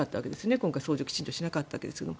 今回、掃除をきちんとしなかったわけですけど。